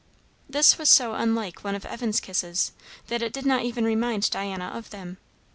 This was so unlike one of Evan's kisses, that it did not even remind Diana of them.